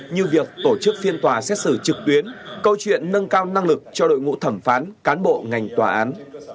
như việc tổ chức phiên tòa xét xử trực tuyến câu chuyện nâng cao năng lực cho đội ngũ thẩm phán cán bộ ngành tòa án